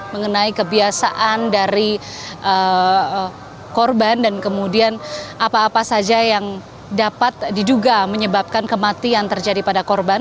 mengenai kebiasaan dari korban dan kemudian apa apa saja yang dapat diduga menyebabkan kematian terjadi pada korban